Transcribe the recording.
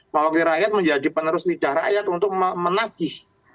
mewakili rakyat menjadi penerus lidah rakyat untuk menagih